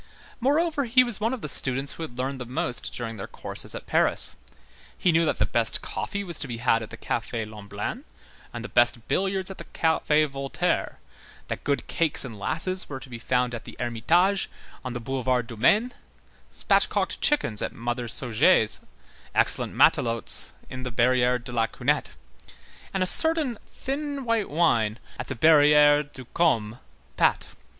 Moreover, he was one of the students who had learned the most during their course at Paris; he knew that the best coffee was to be had at the Café Lemblin, and the best billiards at the Café Voltaire, that good cakes and lasses were to be found at the Ermitage, on the Boulevard du Maine, spatchcocked chickens at Mother Sauget's, excellent matelotes at the Barrière de la Cunette, and a certain thin white wine at the Barrière du Compat.